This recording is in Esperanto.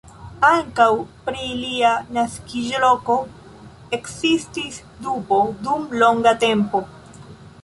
Ankaŭ pri lia naskiĝloko ekzistis dubo dum longa tempo.